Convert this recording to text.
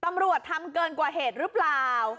ตำรวจทำเกินกว่าเหตุหรือเปล่า